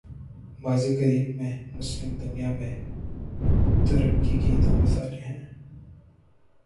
ماضی قریب میں، مسلم دنیا میں ترقی کی دو مثالیں ہیں۔